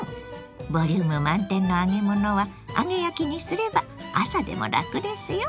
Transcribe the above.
ボリューム満点の揚げ物は揚げ焼きにすれば朝でもラクですよ。